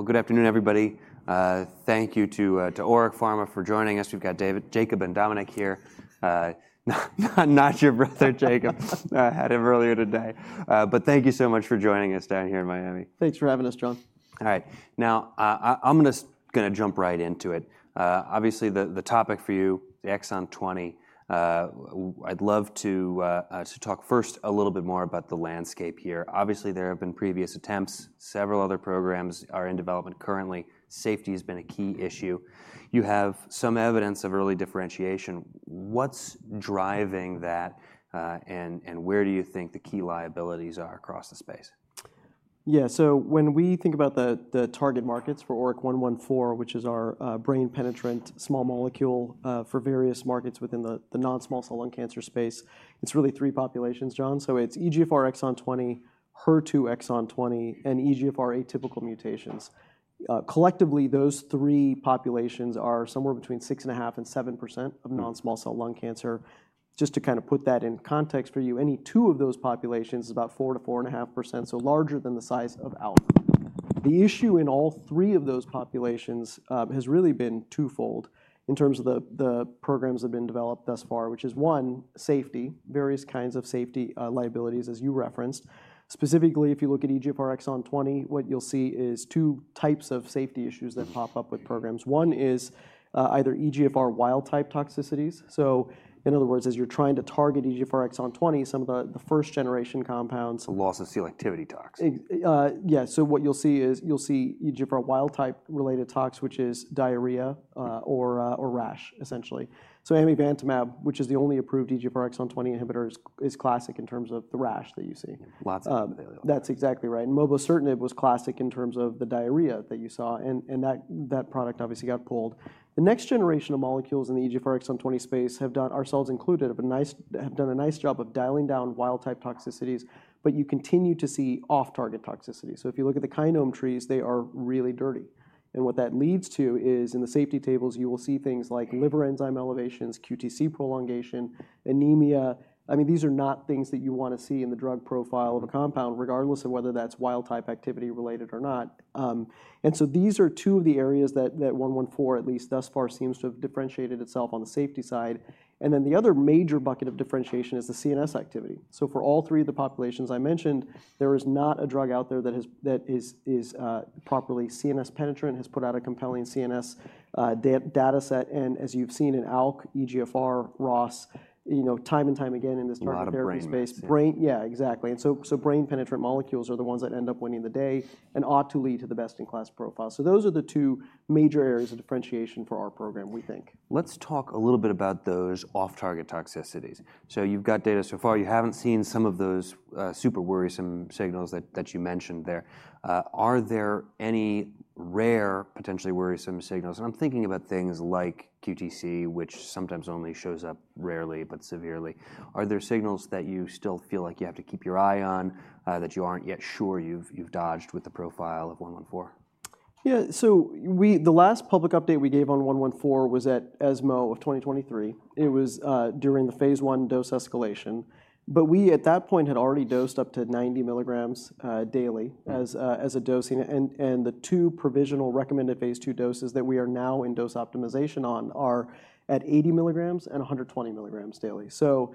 Good afternoon, everybody. Thank you to ORIC Pharma for joining us. We've got Jacob and Dominic here. Not your brother, Jacob. I had him earlier today. But thank you so much for joining us down here in Miami. Thanks for having us, John. All right. Now, I'm going to jump right into it. Obviously, the topic for you, the Exon 20, I'd love to talk first a little bit more about the landscape here. Obviously, there have been previous attempts. Several other programs are in development currently. Safety has been a key issue. You have some evidence of early differentiation. What's driving that, and where do you think the key liabilities are across the space? Yeah, so when we think about the target markets for ORIC-114, which is our brain-penetrant small molecule for various markets within the non-small cell lung cancer space, it's really three populations, John. So it's EGFR Exon 20, HER2 Exon 20, and EGFR atypical mutations. Collectively, those three populations are somewhere between 6.5% and 7% of non-small cell lung cancer. Just to kind of put that in context for you, any two of those populations is about 4%-4.5%, so larger than the size of ALK. The issue in all three of those populations has really been twofold in terms of the programs that have been developed thus far, which is, one, safety, various kinds of safety liabilities, as you referenced. Specifically, if you look at EGFR Exon 20, what you'll see is two types of safety issues that pop up with programs. One is either EGFR wild-type toxicities. So, in other words, as you're trying to target EGFR Exon 20, some of the first-generation compounds. Loss of selectivity tox. Yeah. So what you'll see is EGFR wild-type related tox, which is diarrhea or rash, essentially. So amivantamab, which is the only approved EGFR Exon 20 inhibitor, is classic in terms of the rash that you see. Lots of them. That's exactly right. And mobacertinib was classic in terms of the diarrhea that you saw. And that product obviously got pulled. The next generation of molecules in the EGFR Exon 20 space have done, ourselves included, a nice job of dialing down wild-type toxicities. But you continue to see off-target toxicity. So if you look at the kinome trees, they are really dirty. And what that leads to is, in the safety tables, you will see things like liver enzyme elevations, QTc prolongation, anemia. I mean, these are not things that you want to see in the drug profile of a compound, regardless of whether that's wild-type activity related or not. And so these are two of the areas that 114, at least thus far, seems to have differentiated itself on the safety side. And then the other major bucket of differentiation is the CNS activity. So for all three of the populations I mentioned, there is not a drug out there that is properly CNS penetrant, has put out a compelling CNS data set. And as you've seen in ALK, EGFR, ROS, time and time again in this target program space. A lot of brain. Yeah, exactly. And so brain-penetrant molecules are the ones that end up winning the day and ought to lead to the best-in-class profile. So those are the two major areas of differentiation for our program, we think. Let's talk a little bit about those off-target toxicities. So you've got data so far. You haven't seen some of those super worrisome signals that you mentioned there. Are there any rare, potentially worrisome signals? And I'm thinking about things like QTc, which sometimes only shows up rarely, but severely. Are there signals that you still feel like you have to keep your eye on, that you aren't yet sure you've dodged with the profile of 114? Yeah, so the last public update we gave on 114 was at ESMO of 2023. It was during the phase one dose escalation, but we, at that point, had already dosed up to 90 milligrams daily as a dosing, and the two provisional recommended phase two doses that we are now in dose optimization on are at 80 milligrams and 120 milligrams daily, so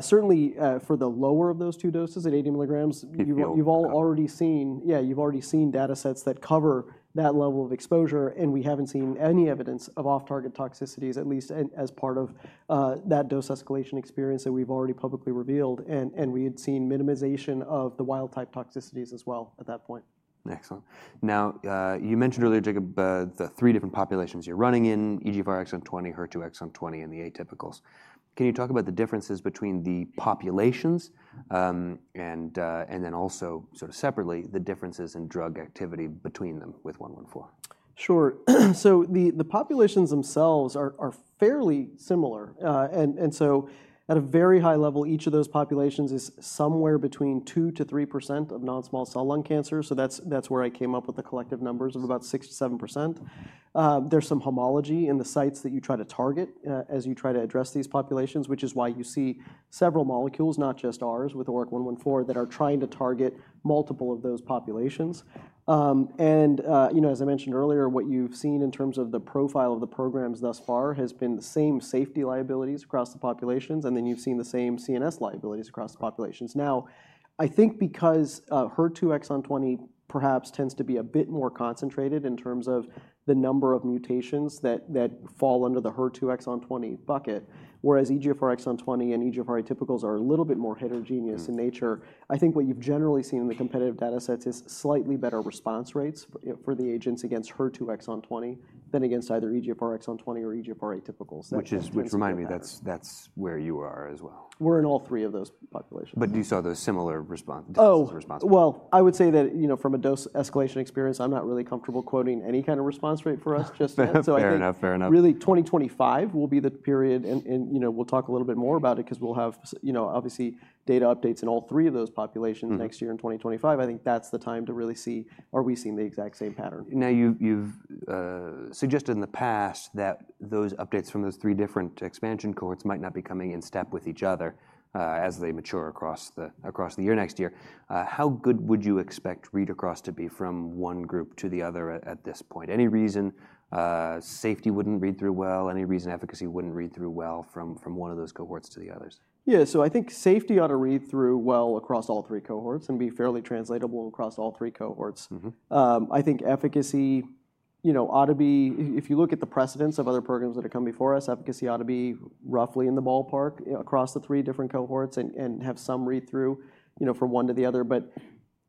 certainly, for the lower of those two doses at 80 milligrams, you've all already seen, yeah, you've already seen data sets that cover that level of exposure, and we haven't seen any evidence of off-target toxicities, at least as part of that dose escalation experience that we've already publicly revealed, and we had seen minimization of the wild-type toxicities as well at that point. Excellent. Now, you mentioned earlier, Jacob, the three different populations you're running in, EGFR Exon 20, HER2 Exon 20, and the atypicals. Can you talk about the differences between the populations and then also, sort of separately, the differences in drug activity between them with 114? Sure. So the populations themselves are fairly similar. And so, at a very high level, each of those populations is somewhere between 2%-3% of non-small cell lung cancer. So that's where I came up with the collective numbers of about 6%-7%. There's some homology in the sites that you try to target as you try to address these populations, which is why you see several molecules, not just ours with ORIC-114, that are trying to target multiple of those populations. And, as I mentioned earlier, what you've seen in terms of the profile of the programs thus far has been the same safety liabilities across the populations. And then you've seen the same CNS liabilities across the populations. Now, I think because HER2 Exon 20 perhaps tends to be a bit more concentrated in terms of the number of mutations that fall under the HER2 Exon 20 bucket, whereas EGFR Exon 20 and EGFR atypicals are a little bit more heterogeneous in nature, I think what you've generally seen in the competitive data sets is slightly better response rates for the agents against HER2 Exon 20 than against either EGFR Exon 20 or EGFR atypicals. Which reminds me, that's where you are as well. We're in all three of those populations. But you saw those similar dose responses. I would say that, from a dose escalation experience, I'm not really comfortable quoting any kind of response rate for us. Fair enough, fair enough. Really, 2025 will be the period. And we'll talk a little bit more about it because we'll have, obviously, data updates in all three of those populations next year in 2025. I think that's the time to really see, are we seeing the exact same pattern? Now, you've suggested in the past that those updates from those three different expansion cohorts might not be coming in step with each other as they mature across the year next year. How good would you expect read across to be from one group to the other at this point? Any reason safety wouldn't read through well? Any reason efficacy wouldn't read through well from one of those cohorts to the others? Yeah. So I think safety ought to read through well across all three cohorts and be fairly translatable across all three cohorts. I think efficacy ought to be, if you look at the precedents of other programs that have come before us, efficacy ought to be roughly in the ballpark across the three different cohorts and have some read through from one to the other.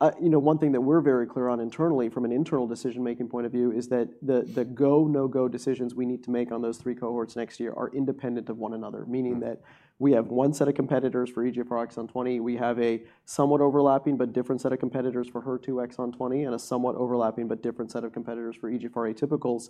But one thing that we're very clear on internally, from an internal decision-making point of view, is that the go, no-go decisions we need to make on those three cohorts next year are independent of one another, meaning that we have one set of competitors for EGFR Exon 20. We have a somewhat overlapping but different set of competitors for HER2 Exon 20 and a somewhat overlapping but different set of competitors for EGFR atypicals.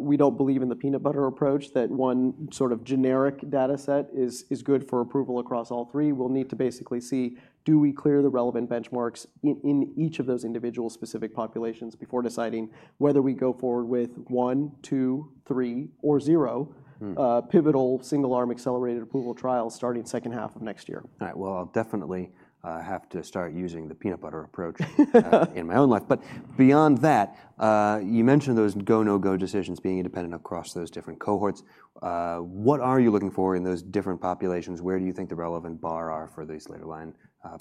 We don't believe in the peanut butter approach that one sort of generic data set is good for approval across all three. We'll need to basically see, do we clear the relevant benchmarks in each of those individual specific populations before deciding whether we go forward with one, two, three, or zero pivotal single-arm accelerated approval trials starting second half of next year. All right. Well, I'll definitely have to start using the peanut butter approach in my own life. But beyond that, you mentioned those go, no-go decisions being independent across those different cohorts. What are you looking for in those different populations? Where do you think the relevant bar are for these later line patients?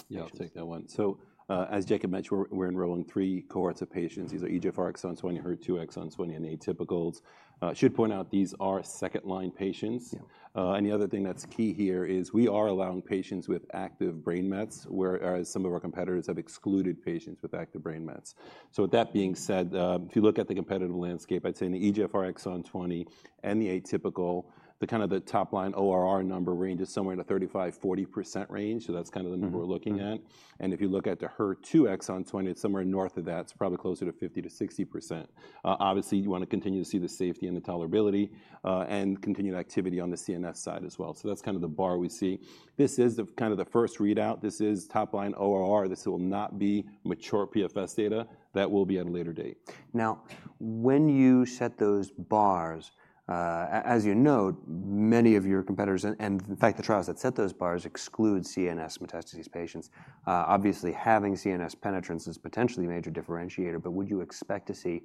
Yeah, I'll take that one. So, as Jacob mentioned, we're enrolling three cohorts of patients. These are EGFR Exon 20, HER2 Exon 20, and atypicals. I should point out these are second-line patients. And the other thing that's key here is we are allowing patients with active brain mets, whereas some of our competitors have excluded patients with active brain mets. So, with that being said, if you look at the competitive landscape, I'd say in the EGFR Exon 20 and the atypical, the kind of the top-line ORR number range is somewhere in the 35%-40% range. So that's kind of the number we're looking at. And if you look at the HER2 Exon 20, it's somewhere north of that. It's probably closer to 50%-60%. Obviously, you want to continue to see the safety and the tolerability and continued activity on the CNS side as well. So that's kind of the bar we see. This is kind of the first readout. This is top-line ORR. This will not be mature PFS data. That will be at a later date. Now, when you set those bars, as you note, many of your competitors, and in fact, the trials that set those bars exclude CNS metastases patients, obviously, having CNS penetrance is potentially a major differentiator. But would you expect to see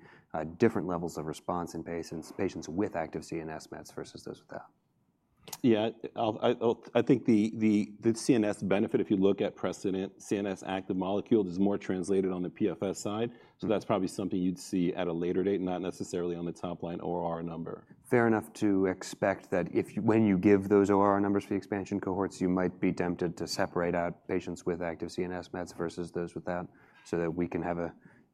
different levels of response in patients with active CNS mets versus those without? Yeah. I think the CNS benefit, if you look at precedent CNS active molecule, is more translated on the PFS side. So that's probably something you'd see at a later date, not necessarily on the top-line ORR number. Fair enough to expect that when you give those ORR numbers for the expansion cohorts, you might be tempted to separate out patients with active CNS mets versus those without so that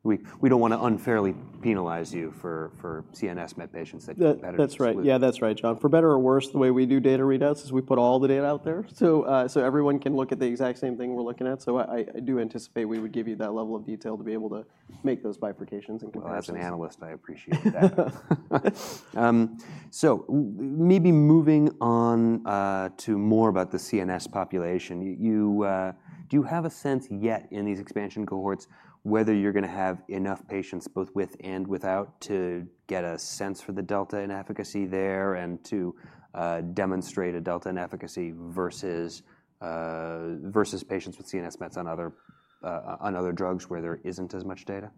we don't want to unfairly penalize you for CNS met patients that get better results. Yeah, that's right, John. For better or worse, the way we do data readouts is we put all the data out there so everyone can look at the exact same thing we're looking at. So I do anticipate we would give you that level of detail to be able to make those bifurcations and comparisons better. As an analyst, I appreciate that. So maybe moving on to more about the CNS population, do you have a sense yet in these expansion cohorts whether you're going to have enough patients both with and without to get a sense for the delta in efficacy there and to demonstrate a delta in efficacy versus patients with CNS mets on other drugs where there isn't as much data?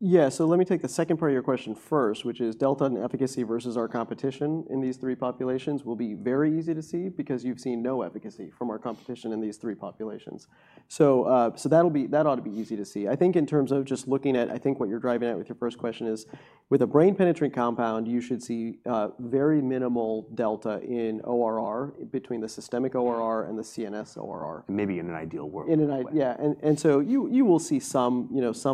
Yeah. So let me take the second part of your question first, which is delta in efficacy versus our competition in these three populations will be very easy to see because you've seen no efficacy from our competition in these three populations. So that ought to be easy to see. I think in terms of just looking at, I think what you're driving at with your first question is, with a brain-penetrating compound, you should see very minimal delta in ORR between the systemic ORR and the CNS ORR. Maybe in an ideal world. Yeah. And so you will see some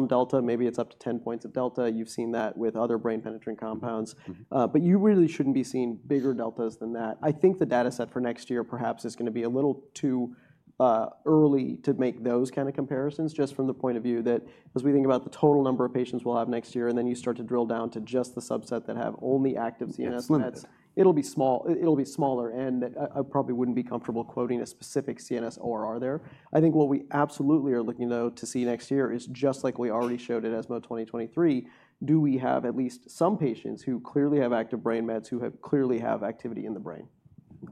delta. Maybe it's up to 10 points of delta. You've seen that with other brain-penetrating compounds. But you really shouldn't be seeing bigger deltas than that. I think the data set for next year perhaps is going to be a little too early to make those kind of comparisons just from the point of view that, as we think about the total number of patients we'll have next year, and then you start to drill down to just the subset that have only active CNS mets, it'll be smaller. And I probably wouldn't be comfortable quoting a specific CNS ORR there. I think what we absolutely are looking, though, to see next year is, just like we already showed at ESMO 2023, do we have at least some patients who clearly have active brain mets who clearly have activity in the brain?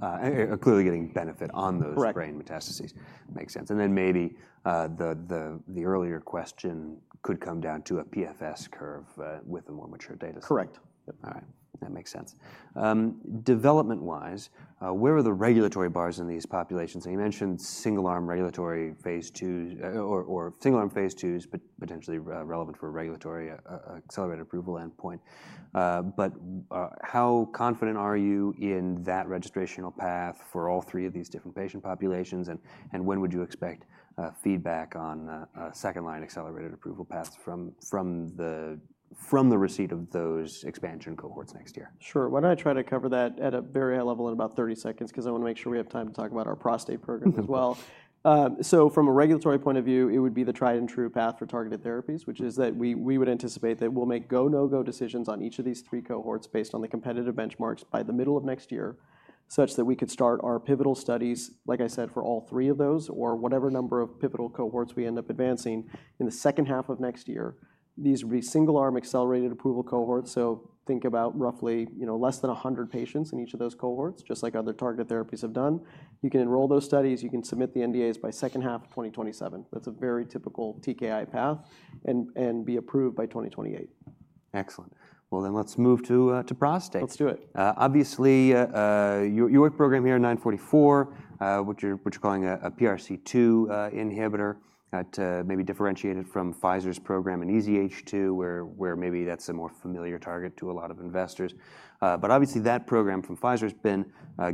Clearly getting benefit on those brain metastases. Makes sense, and then maybe the earlier question could come down to a PFS curve with the more mature data set. Correct. All right. That makes sense. Development-wise, where are the regulatory bars in these populations? And you mentioned single-arm regulatory phase 2s or single-arm phase 2s, potentially relevant for a regulatory accelerated approval endpoint. But how confident are you in that registrational path for all three of these different patient populations? And when would you expect feedback on second-line accelerated approval paths from the receipt of those expansion cohorts next year? Sure. Why don't I try to cover that at a very high level in about 30 seconds because I want to make sure we have time to talk about our prostate program as well. So from a regulatory point of view, it would be the tried and true path for targeted therapies, which is that we would anticipate that we'll make go, no-go decisions on each of these three cohorts based on the competitive benchmarks by the middle of next year such that we could start our pivotal studies, like I said, for all three of those or whatever number of pivotal cohorts we end up advancing in the second half of next year. These would be single-arm accelerated approval cohorts. So think about roughly less than 100 patients in each of those cohorts, just like other targeted therapies have done. You can enroll those studies. You can submit the NDAs by second half of 2027. That's a very typical TKI path and be approved by 2028. Excellent. Well, then, let's move to prostate. Let's do it. Obviously, your program here in ORIC-944, which you're calling a PRC2 inhibitor, maybe differentiated from Pfizer's program in EZH2, where maybe that's a more familiar target to a lot of investors. But obviously, that program from Pfizer has been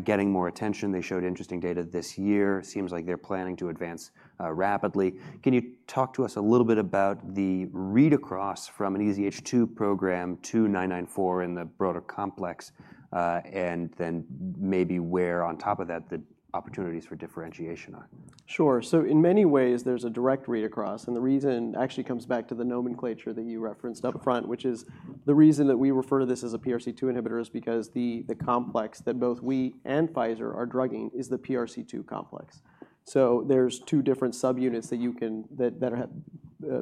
getting more attention. They showed interesting data this year. Seems like they're planning to advance rapidly. Can you talk to us a little bit about the read across from an EZH2 program to ORIC-944 in the broader complex and then maybe where, on top of that, the opportunities for differentiation are? Sure. So in many ways, there's a direct read across. And the reason actually comes back to the nomenclature that you referenced upfront, which is the reason that we refer to this as a PRC2 inhibitor is because the complex that both we and Pfizer are drugging is the PRC2 complex. So there's two different subunits that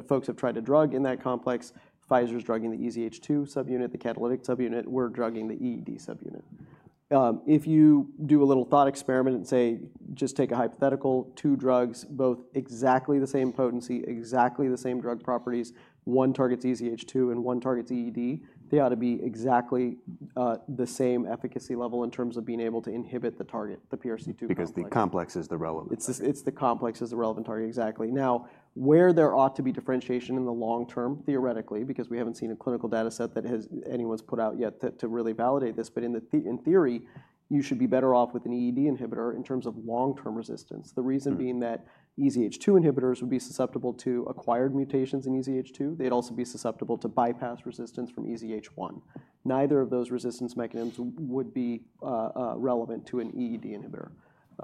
folks have tried to drug in that complex. Pfizer's drugging the EZH2 subunit, the catalytic subunit. We're drugging the EED subunit. If you do a little thought experiment and say, just take a hypothetical, two drugs, both exactly the same potency, exactly the same drug properties, one targets EZH2 and one targets EED, they ought to be exactly the same efficacy level in terms of being able to inhibit the target, the PRC2 complex. Because the complex is the relevant target. It's the complex as the relevant target, exactly. Now, where there ought to be differentiation in the long term, theoretically, because we haven't seen a clinical data set that anyone's put out yet to really validate this, but in theory, you should be better off with an EED inhibitor in terms of long-term resistance. The reason being that EZH2 inhibitors would be susceptible to acquired mutations in EZH2. They'd also be susceptible to bypass resistance from EZH1. Neither of those resistance mechanisms would be relevant to an EED inhibitor.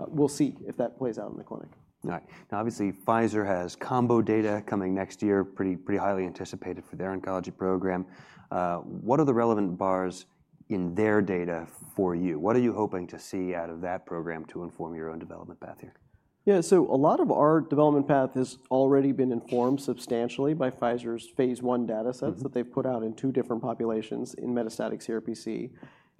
We'll see if that plays out in the clinic. All right. Now, obviously, Pfizer has combo data coming next year, pretty highly anticipated for their oncology program. What are the relevant bars in their data for you? What are you hoping to see out of that program to inform your own development path here? Yeah. So a lot of our development path has already been informed substantially by Pfizer's phase one data sets that they've put out in two different populations in metastatic CRPC.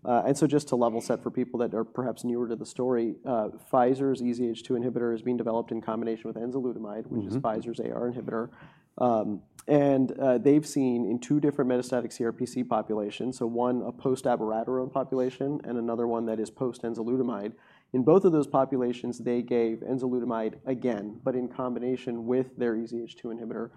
And so just to level set for people that are perhaps newer to the story, Pfizer's EZH2 inhibitor is being developed in combination with enzalutamide, which is Pfizer's AR inhibitor. And they've seen in two different metastatic CRPC populations, so one, a post-abiraterone population, and another one that is post-enzalutamide. In both of those populations, they gave enzalutamide again, but in combination with their EZH2 inhibitor.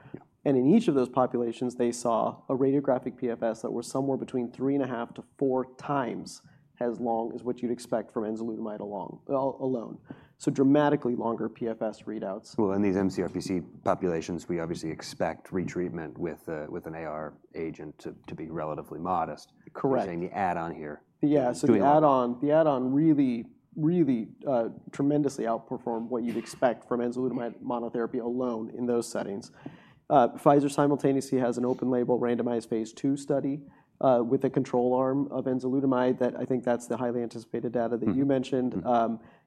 And in each of those populations, they saw a radiographic PFS that was somewhere between three and a half to 4x as long as what you'd expect from enzalutamide alone. So dramatically longer PFS readouts. In these mCRPC populations, we obviously expect retreatment with an AR agent to be relatively modest. Correct. You're saying the add-on here. Yeah. So the add-on really, really tremendously outperformed what you'd expect from enzalutamide monotherapy alone in those settings. Pfizer simultaneously has an open-label randomized Phase II study with a control arm of enzalutamide, that I think that's the highly anticipated data that you mentioned.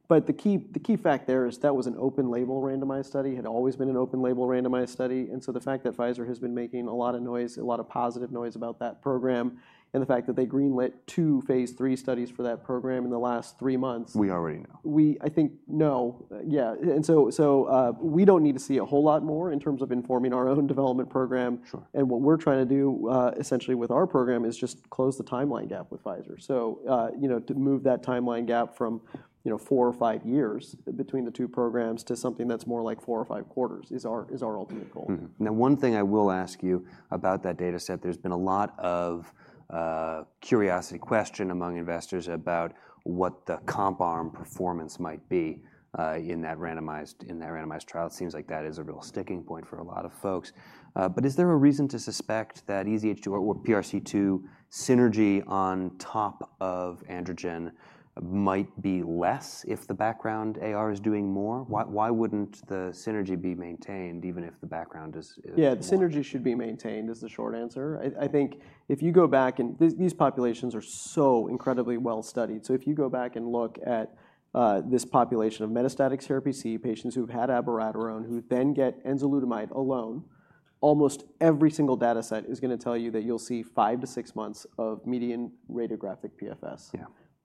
But the key fact there is that was an open-label randomized study. It had always been an open-label randomized study. And so the fact that Pfizer has been making a lot of noise, a lot of positive noise about that program, and the fact that they greenlit two Phase III studies for that program in the last three months. We already know. I think, no. Yeah. And so we don't need to see a whole lot more in terms of informing our own development program. And what we're trying to do essentially with our program is just close the timeline gap with Pfizer. So to move that timeline gap from four or five years between the two programs to something that's more like four or five quarters is our ultimate goal. Now, one thing I will ask you about that data set. There's been a lot of curiosity questions among investors about what the comp arm performance might be in that randomized trial. It seems like that is a real sticking point for a lot of folks. But is there a reason to suspect that EZH2 or PRC2 synergy on top of androgen might be less if the background AR is doing more? Why wouldn't the synergy be maintained even if the background is? Yeah, the synergy should be maintained is the short answer. I think if you go back, and these populations are so incredibly well studied. So if you go back and look at this population of metastatic CRPC patients who've had abiraterone who then get enzalutamide alone, almost every single data set is going to tell you that you'll see five to six months of median radiographic PFS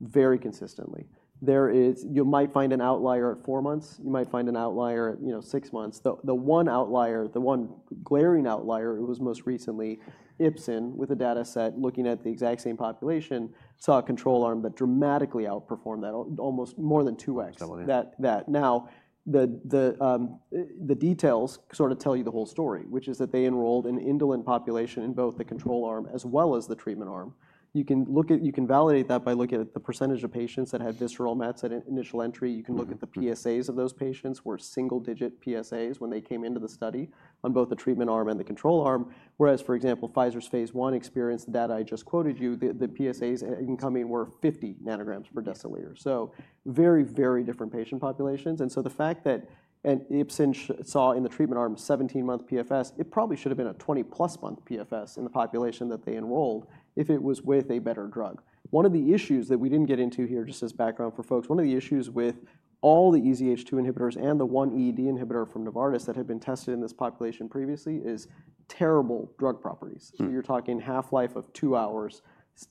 very consistently. You might find an outlier at four months. You might find an outlier at six months. The one outlier, the one glaring outlier, it was most recently Ipsen with a data set looking at the exact same population, saw a control arm that dramatically outperformed that almost more than 2X. Double it. Now, the details sort of tell you the whole story, which is that they enrolled an indolent population in both the control arm as well as the treatment arm. You can validate that by looking at the percentage of patients that had visceral mets at initial entry. You can look at the PSAs of those patients were single-digit PSAs when they came into the study on both the treatment arm and the control arm. Whereas, for example, Pfizer's phase one experience, the data I just quoted you, the PSAs incoming were 50 ng/dL. So very, very different patient populations. And so the fact that Ipsen saw in the treatment arm 17-month PFS, it probably should have been a 20+ month PFS in the population that they enrolled if it was with a better drug. One of the issues that we didn't get into here just as background for folks, one of the issues with all the EZH2 inhibitors and the one EED inhibitor from Novartis that had been tested in this population previously is terrible drug properties. So you're talking half-life of two hours,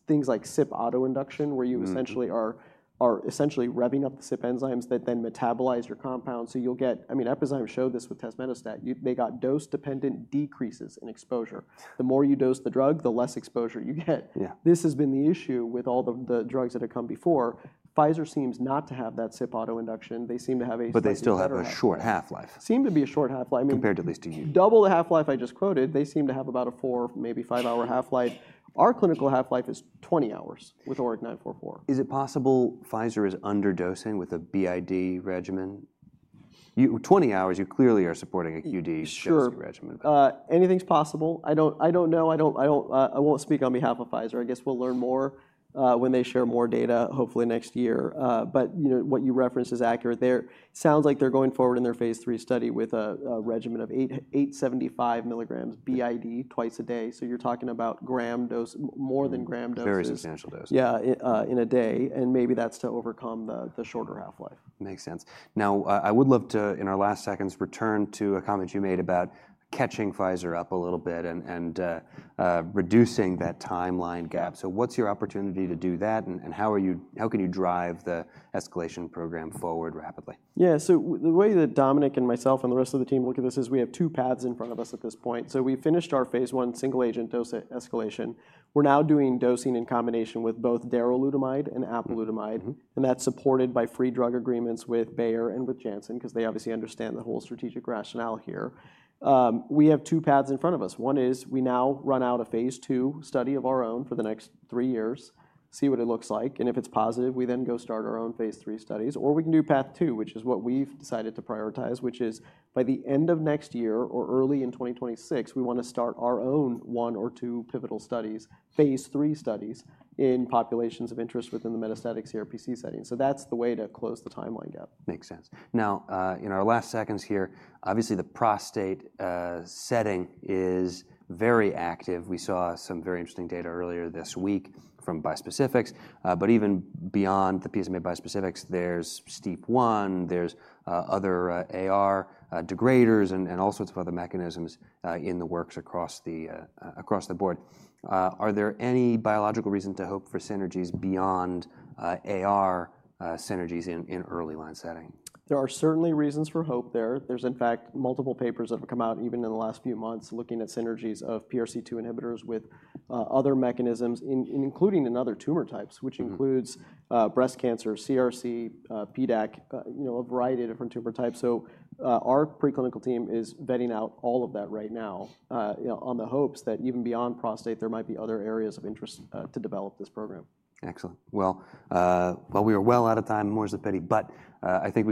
things like CYP autoinduction where you essentially are revving up the CYP enzymes that then metabolize your compound. So you'll get, I mean, Epizyme showed this with tazemetostat. They got dose-dependent decreases in exposure. The more you dose the drug, the less exposure you get. This has been the issue with all the drugs that have come before. Pfizer seems not to have that CYP autoinduction. They seem to have a slight. But they still have a short half-life. Seems to be a short half-life. Compared to at least a year. Double the half-life I just quoted, they seem to have about a four, maybe five-hour half-life. Our clinical half-life is 20 hours with ORIC-944. Is it possible Pfizer is underdosing with a BID regimen? 20 hours, you clearly are supporting a QD regimen. Sure. Anything's possible. I don't know. I won't speak on behalf of Pfizer. I guess we'll learn more when they share more data, hopefully next year. But what you referenced is accurate there. Sounds like they're going forward in their phase three study with a regimen of 875 milligrams BID twice a day. So you're talking about gram dose, more than gram dose. Very substantial dose. Yeah, in a day, and maybe that's to overcome the shorter half-life. Makes sense. Now, I would love to, in our last seconds, return to a comment you made about catching Pfizer up a little bit and reducing that timeline gap. So what's your opportunity to do that? And how can you drive the escalation program forward rapidly? Yeah. So the way that Dominic and myself and the rest of the team look at this is we have two paths in front of us at this point. So we finished our Phase I single-agent dose escalation. We're now doing dosing in combination with both darolutamide and apalutamide. And that's supported by free drug agreements with Bayer and with Janssen because they obviously understand the whole strategic rationale here. We have two paths in front of us. One is we now run a phase two study of our own for the next three years, see what it looks like. And if it's positive, we then go start our own Phase III studies. Or we can do path two, which is what we've decided to prioritize, which is by the end of next year or early in 2026, we want to start our own one or two pivotal studies, phase three studies in populations of interest within the metastatic CRPC setting. So that's the way to close the timeline gap. Makes sense. Now, in our last seconds here, obviously the prostate setting is very active. We saw some very interesting data earlier this week from bispecifics. But even beyond the PSMA bispecifics, there's STEAP1, there's other AR degraders, and all sorts of other mechanisms in the works across the board. Are there any biological reason to hope for synergies beyond AR synergies in early line setting? There are certainly reasons for hope there. There's, in fact, multiple papers that have come out even in the last few months looking at synergies of PRC2 inhibitors with other mechanisms, including in other tumor types, which includes breast cancer, CRC, PDAC, a variety of different tumor types. So our preclinical team is vetting out all of that right now on the hopes that even beyond prostate, there might be other areas of interest to develop this program. Excellent. Well, we are well out of time. More's the pity. But I think.